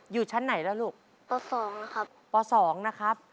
อยู่ชั้นไหนแล้วลูกป๒นะครับป๒นะครับ